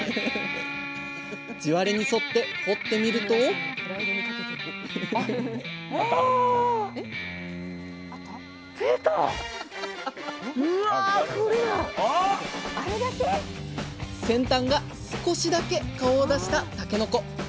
地割れに沿って掘ってみるとあれだけ⁉先端が少しだけ顔を出したたけのこ。